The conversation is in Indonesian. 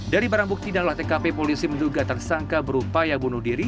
dari barang bukti dalam olah tkp polisi menduga tersangka berupaya bunuh diri